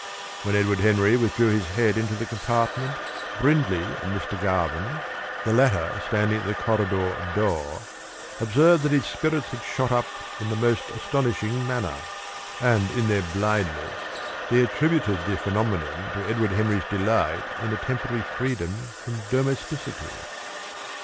When Edward Henry withdrew his head into the compartment, Brindley and Mr. Garvin, the latter standing at the corridor door, observed that his spirits had shot up in the most astonishing manner, and in their blindness they attributed the phenomenon to Edward Henry's delight in a temporary freedom from domesticity.